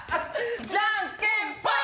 じゃんけんぽん！